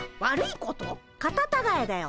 カタタガエだよ。